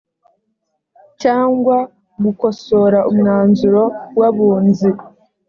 cyangwa gukosora umwanzuro w’abunzi